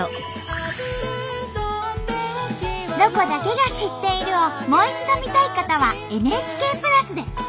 「ロコだけが知っている」をもう一度見たい方はＮＨＫプラスで。